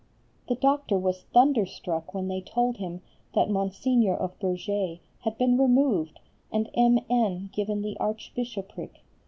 The doctor was thunderstruck when they told him that Mgr. of Bourges had been removed and M. N. given the Archbishopric.